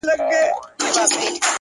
د خپل ښايسته خيال پر رنگينه پاڼه _